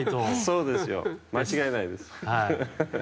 そうですよ間違いないです。